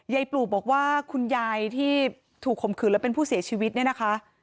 ปลูกบอกว่าคุณยายที่ถูกข่มขืนแล้วเป็นผู้เสียชีวิตเนี่ยนะคะ